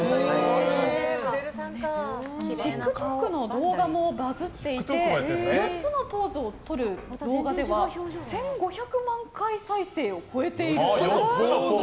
ＴｉｋＴｏｋの動画もバズっていて４つのポーズを撮る動画では１５００万回再生を超えていると。